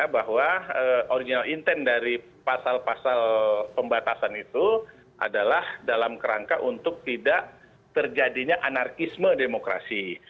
bahwa original intent dari pasal pasal pembatasan itu adalah dalam kerangka untuk tidak terjadinya anarkisme demokrasi